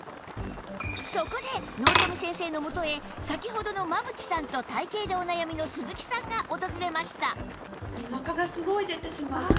そこで納富先生のもとへ先ほどの真渕さんと体形でお悩みの鈴木さんが訪れました